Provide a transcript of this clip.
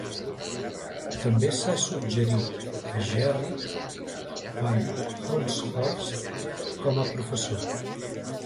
També s"ha suggerit a Gerrit van Honthorst com a professor.